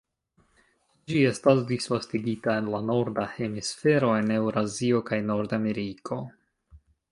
Ĝi estas disvastigita en la Norda hemisfero en Eŭrazio kaj Nordameriko.